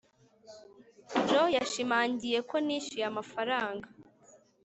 joe yashimangiye ko nishyuye amafaranga